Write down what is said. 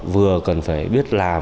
vừa cần phải biết làm